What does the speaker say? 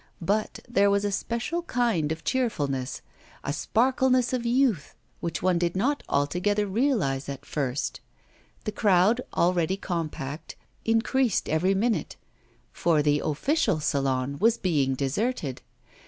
But there was a special kind of cheerfulness, a sparkle of youth which one did not altogether realise at first. The crowd, already compact, increased every minute, for the official Salon was being deserted.